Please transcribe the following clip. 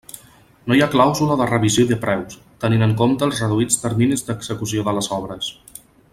No hi ha clàusula de revisió de preus, tenint en compte els reduïts terminis d'execució de les obres.